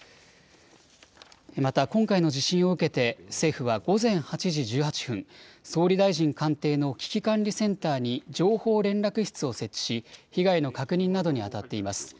また今回の地震を受けて政府は午前８時１８分、総理大臣官邸の危機管理センターに情報連絡室を設置し、被害の確認などにあたっています。